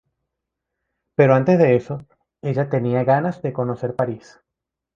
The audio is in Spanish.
Pero antes de eso, ella tenía ganas de conocer París.